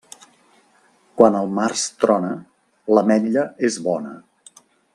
Quan el març trona, l'ametlla és bona.